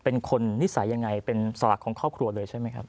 เป็นคนนิสัยยังไงเป็นสลักของครอบครัวเลยใช่ไหมครับ